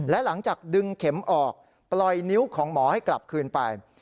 และหลังจากดึงเข็มออกปล่อยนิ้วของหมอให้กลับคืนไป